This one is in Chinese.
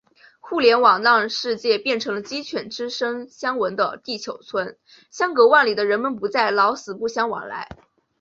互联网让世界变成了“鸡犬之声相闻”的地球村，相隔万里的人们不再“老死不相往来”。